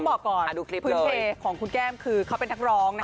ต้องบอกก่อนพื้นครีปของน้องแก้มคือเขาเป็นนักร้องนะคะ